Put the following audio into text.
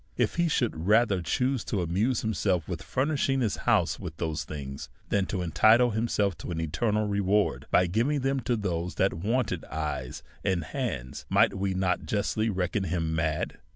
If he should rather choose to amuse himself with fur nishing his house with those things, than to entitle himself to an eternal reward by giving them to those that wanted eyes and hands, might we not justly reck on him mad?